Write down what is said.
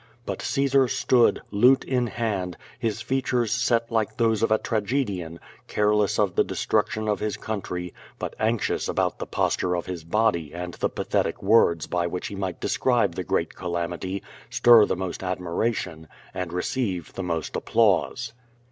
But Caesar stood, lute in hand, his features set like those of a tragedian, careless of the destruction of his country, but anxious about the posture of his body and the pathetic words by which he might describe the great calamity, stir the most admiration, and receive the most applause.